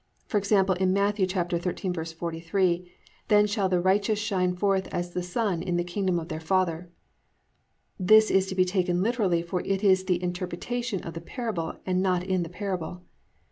For example, Matt. 13:43, +"Then shall the righteous shine forth as the sun in the kingdom of their Father."+ This is to be taken literally for it is in the interpretation of the parable and not in the parable.